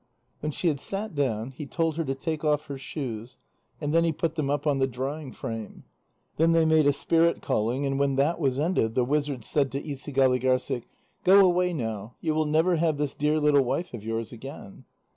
When she had sat down, he told her to take off her shoes, and then he put them up on the drying frame. Then they made a spirit calling, and when that was ended, the wizard said to Isigâligârssik: "Go away now; you will never have this dear little wife of yours again."